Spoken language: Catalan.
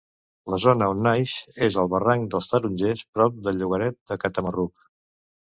La zona on naix és al Barranc dels Tarongers prop del llogaret de Catamarruc.